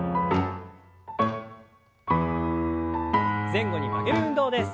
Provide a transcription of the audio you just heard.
前後に曲げる運動です。